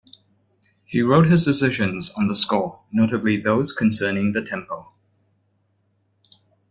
He wrote his decisions on the score, notably those concerning the tempo.